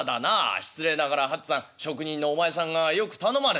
失礼ながら八っつぁん職人のお前さんがよく頼まれたね」。